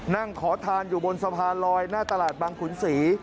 นั่งขอทานอยู่บนสะพานลอยหน้าตลาดบังขุนศรี